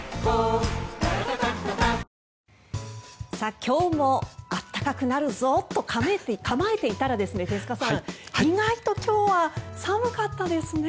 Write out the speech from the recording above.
今日も暖かくなるぞと構えていたら手塚さん、意外と今日は寒かったですね。